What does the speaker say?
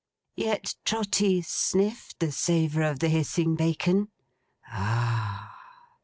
Yet Trotty sniffed the savour of the hissing bacon—ah!